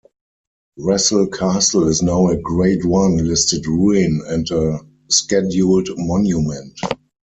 Wressle Castle is now a Grade One listed ruin and a scheduled monument.